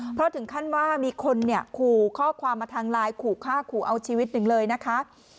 เพราะถึงขั้นว่ามีคนเนี่ยขู่ข้อความมาทางไลน์ขู่ฆ่าขู่เอาชีวิตหนึ่งเลยนะคะ